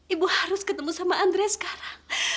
ibu harus ketemu sama andrea sekarang